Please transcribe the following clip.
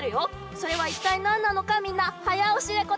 それはいったいなんなのかみんなはやおしでこたえてね。